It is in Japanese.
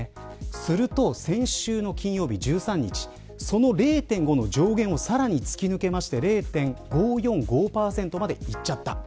すると、先週金曜日１３日その０．５の上限をさらに突き抜けて０．５４５％までいっちゃった。